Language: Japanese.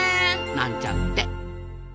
なんちゃって。